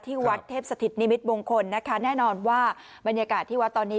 ที่วัดเทพสถิตนิมิตมงคลนะคะแน่นอนว่าบรรยากาศที่วัดตอนนี้